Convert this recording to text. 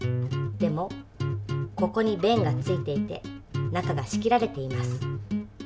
でもここに弁が付いていて中が仕切られています。